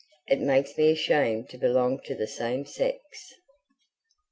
It makes me ashamed to belong to the same sex."